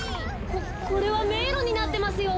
ここれはめいろになってますよ。